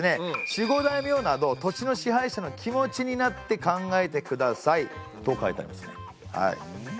「守護大名など土地の支配者の気持ちになって考えてください」と書いてありますねはい。